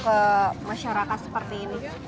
ke masyarakat seperti ini